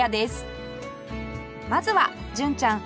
まずは純ちゃん